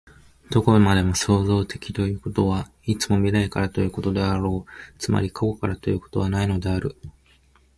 どこまでも創造的ということは、いつも未来からということであろう、つまり過去からということはないのである。